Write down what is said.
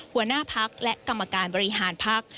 หัวหน้าพักและกรรมการบริหารพัก